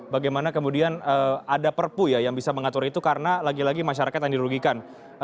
bagaimana kemudian ada perpu ya yang bisa mengatur itu karena lagi lagi masyarakat yang dirugikan